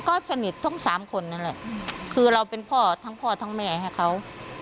ก็สนิททั้งสามคนนั่นแหละคือเราเป็นพ่อทั้งพ่อทั้งแม่ให้เขา